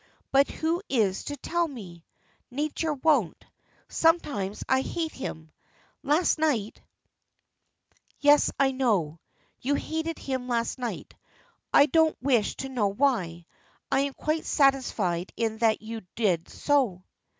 But who is to tell me? Nature won't. Sometimes I hate him. Last night " "Yes, I know. You hated him last night. I don't wish to know why. I am quite satisfied in that you did so."